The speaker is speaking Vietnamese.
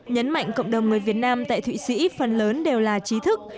nhấn mạnh cộng đồng người việt nam tại thụy sĩ phần lớn đều là trí thức